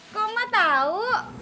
kok mak tau